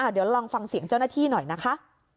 เดี๋ยวลองฟังเสียงเจ้าหน้าที่หน่อยนะคะ